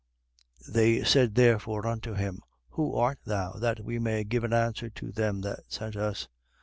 1:22. They said therefore unto him: Who art thou, that we may give an answer to them that sent us?